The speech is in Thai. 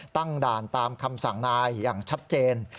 ตั้งด่านตามคำสั่งนายอย่างชัดเจน